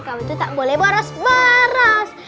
kamu itu tak boleh boros boros